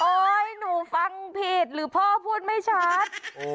หนูฟังผิดหรือพ่อพูดไม่ชัด